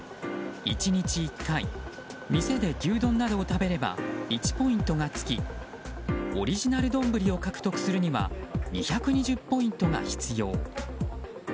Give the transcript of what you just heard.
１日１回店で牛丼などを食べれば１ポイントがつきオリジナル丼を獲得するには２２０ポイントが必要。